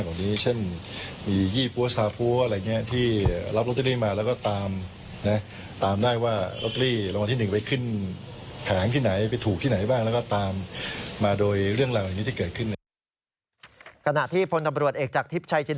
ก็จึงสนใจนะที่จะมีหลายเรื่องที่เกิดขึ้นและสันและทั่วประเทศเลย